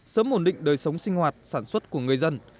sớm ổn định đời sống sinh hoạt sản xuất của người dân